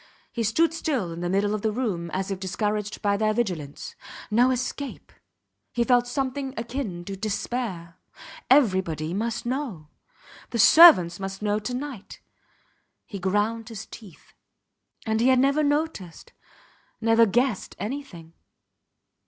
He stood still in the middle of the room as if discouraged by their vigilance. No escape! He felt something akin to despair. Everybody must know. The servants must know to night. He ground his teeth ... And he had never noticed, never guessed anything.